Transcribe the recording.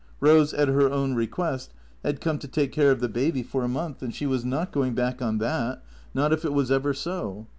Eose, at her own request, had come to take care of the baby for a month, and she was not going back on that, not if it was ever so.